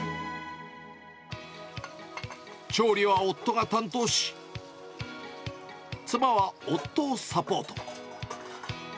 調理は夫が担当し、妻は夫をサポート。